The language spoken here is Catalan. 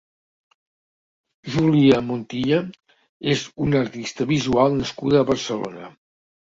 Julia Montilla és una artista visual nascuda a Barcelona.